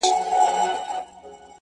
د سترگو سرو لمبو ته دا پتنگ در اچوم؛